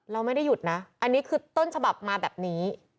เราไม่ได้หยุดนะอันนี้คือต้นฉบับมาแบบนี้